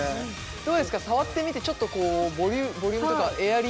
どうですか触ってみてちょっとこうボリュームとかエアリー感は感じます？